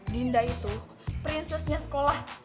dinda itu prinsesnya sekolah